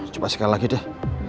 coba sekali lagi deh